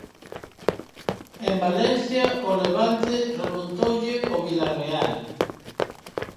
En Valencia o Levante remontoulle ao Vilarreal.